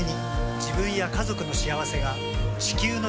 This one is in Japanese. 自分や家族の幸せが地球の幸せにつながっている。